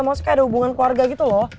maksudnya ada hubungan keluarga gitu loh